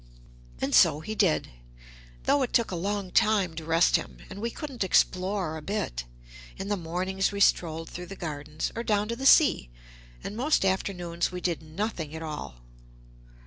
And so he did, though it took a long time to rest him, and we couldn't explore a bit. In the mornings we strolled through the gardens, or down to the sea, and most afternoons we did nothing at all.